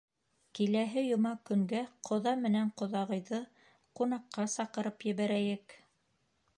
— Киләһе йома көнгә ҡоҙа менән ҡоҙағыйҙы ҡунаҡҡа саҡырып ебәрәйек.